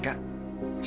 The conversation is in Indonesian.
rumah sakit kak